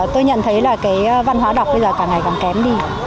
tôi nhận thấy là cái văn hóa đọc bây giờ càng ngày càng kém đi